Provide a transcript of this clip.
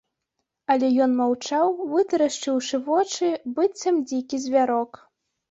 Але ён маўчаў, вытарашчыўшы вочы, быццам дзікі звярок.